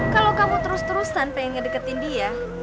kalau kamu terus terusan pengen ngedeketin dia